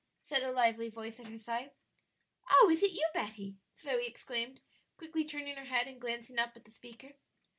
said a lively voice at her side. "Oh, is it you, Betty?" Zoe exclaimed, quickly turning her head and glancing up at the speaker.